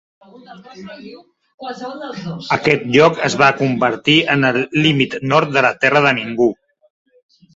Aquest lloc es va convertir en el límit nord de la terra de ningú.